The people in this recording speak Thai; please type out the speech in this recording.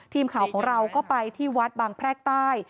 ทีมข่าวของเราก็ไปที่วัดบางแพรกใต้